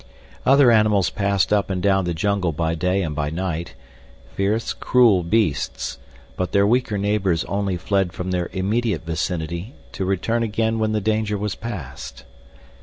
Other animals passed up and down the jungle by day and by night—fierce, cruel beasts—but their weaker neighbors only fled from their immediate vicinity to return again when the danger was past.